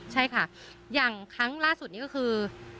ใช่ค่ะอย่างครั้งล่าสุดนี้ก็คือ